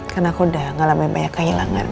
karena aku udah ngalamin banyak kehilangan